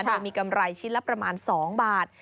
โดยมีกำไรชิ้นละประมาณ๒บาท